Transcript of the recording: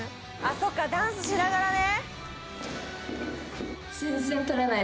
そっかダンスしながらね！